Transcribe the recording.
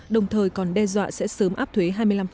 đồng thời còn đe dọa sẽ sớm áp thuế hai mươi năm